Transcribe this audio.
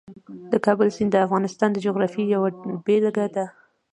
د کابل سیند د افغانستان د جغرافیې یوه بېلګه ده.